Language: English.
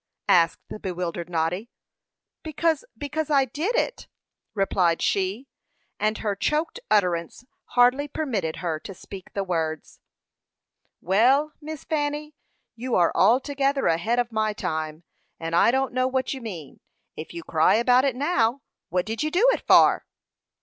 asked the bewildered Noddy. "Because because I did it," replied she; and her choked utterance hardly permitted her to speak the words. "Well, Miss Fanny, you are altogether ahead of my time; and I don't know what you mean. If you cry about it now, what did you do it for?"